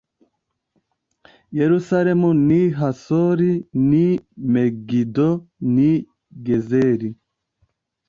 yerusalemu n i hasori n i megido n i gezeri